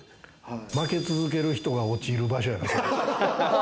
負け続ける人が陥る場所やな。